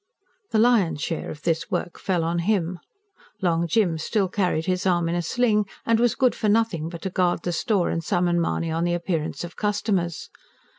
The lion's share of this work fell on him. Long Jim still carried his arm in a sling, and was good for nothing but to guard the store and summon Mahony on the appearance of customers.